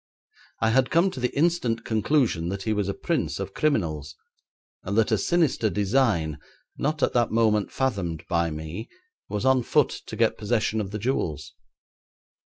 I had come to the instant conclusion that he was a prince of criminals, and that a sinister design, not at that moment fathomed by me, was on foot to get possession of the jewels.